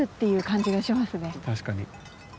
確かに。